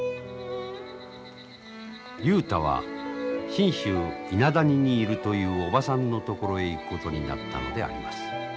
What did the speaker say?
雄太は信州伊那谷にいるというおばさんの所へ行くことになったのであります。